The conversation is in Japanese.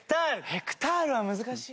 ヘクタールは難しい。